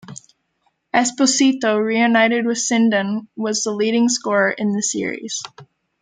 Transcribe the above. Esposito, reunited with Sinden, was the leading scorer in the series.